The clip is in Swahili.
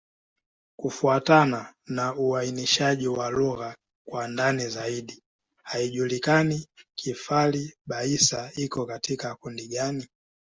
Kufuatana na uainishaji wa lugha kwa ndani zaidi, haijulikani Kifali-Baissa iko katika kundi gani.